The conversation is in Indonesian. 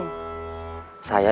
saya dapet hal yang